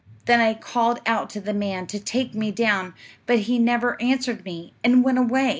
Then I called out to the man to take me down, but he never answered me, and went away.